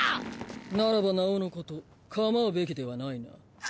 ならばなおのことかまうべきではないな。